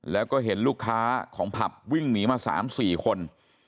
แล้วก็เห็นลูกค้าของผับวิ่งหนีมา๓๔คน